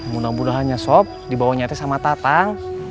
mudah mudahnya sob dibawanya sama tatang